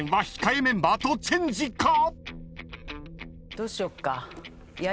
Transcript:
どうしようか。